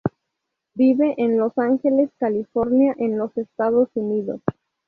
Vive en Los Ángeles, California, en los Estados Unidos.